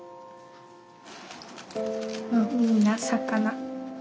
みんな魚。